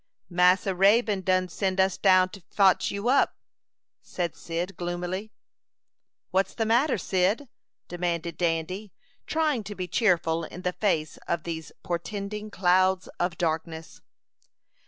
"Massa Raybone done send us down to fotch you up," said Cyd, gloomily. "What's the matter, Cyd?" demanded Dandy, trying to be cheerful in the face of these portending clouds of darkness.